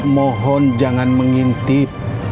mohon jangan mengintip